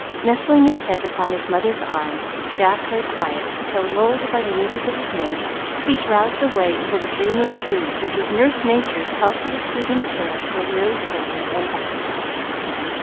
Nestling his head upon his mother's arm, Jack lay quiet till, lulled by the music of his mates, he drowsed away into the dreamless sleep which is Nurse Nature's healthiest soothing sirup for weary souls and bodies.